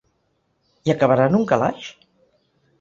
I acabarà en un calaix?